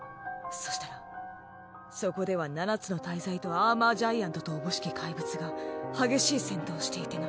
そしたらそこでは七つの大罪と鎧巨人とおぼしき怪物が激しい戦闘をしていてな。